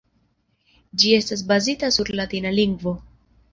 Ĝi estas bazita sur latina lingvo.